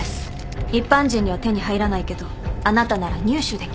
一般人には手に入らないけどあなたなら入手できる。